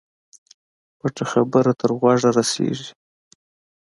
پټه خبره تر غوږه رسېږي.